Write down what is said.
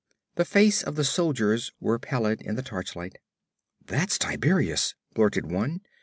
The face of the soldiers were pallid in the torchlight. 'That's Tiberias,' blurted one.